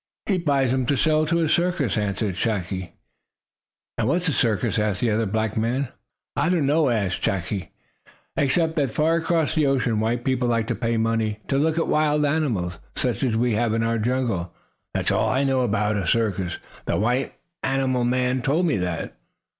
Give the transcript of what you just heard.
"He buys him to sell to a circus," answered Chaki. "And what is a circus?" asked the other black man. "I don't know," answered Chaki, "except that far across the ocean white people like to pay money to look at wild animals such as we have in our jungle. That's all I know about a circus. The white animal man told me that."